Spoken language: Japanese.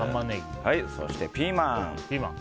そして、ピーマン。